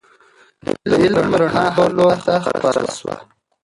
د علم رڼا هر لوري ته خپره سوه.